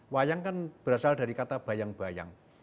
wayang kan berasal dari kata bayang bayang